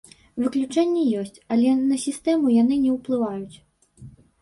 Выключэнні ёсць, але на сістэму яны не ўплываюць.